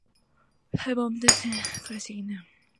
Simpson's continues to serve classic British style cuisine.